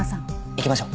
行きましょう。